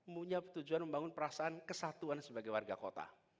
punya tujuan membangun perasaan kesatuan sebagai warga kota